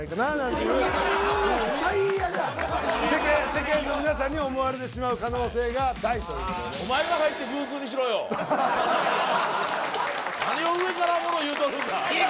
世間の皆さんに思われてしまう可能性が大ということで何を上からもの言うとるんだ！